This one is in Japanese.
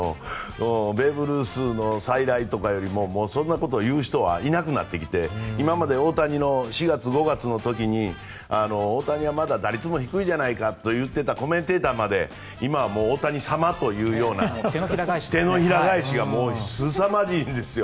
ベーブ・ルースの再来とかそんなことを言う人はいなくなってきて今まで大谷の４月、５月の時にまだ打率も低いじゃないかと言っていたコメンテーターまで今は大谷様というような手のひら返しがすさまじいんですよ。